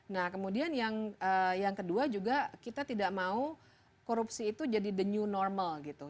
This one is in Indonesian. nah kemudian yang kedua juga kita tidak mau korupsi itu jadi the new normal gitu